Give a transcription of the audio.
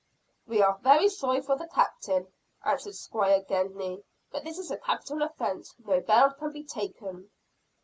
"We are very sorry for the Captain," answered Squire Gedney, "but as this is a capital offence, no bail can be taken."